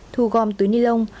thu gom túi ni lông